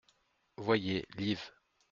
(Voyez liv.